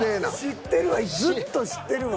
知ってるわずっと知ってるわ。